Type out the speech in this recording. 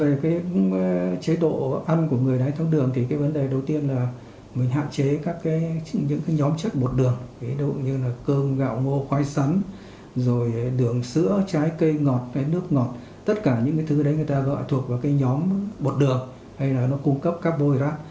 về cái chế độ ăn của người đáy tháo đường thì cái vấn đề đầu tiên là mình hạn chế các những cái nhóm chất bột đường ví dụ như là cơm gạo ngô khoai sắn rồi đường sữa trái cây ngọt hay nước ngọt tất cả những cái thứ đấy người ta gọi thuộc vào cái nhóm bột đường hay là nó cung cấp các bôi rác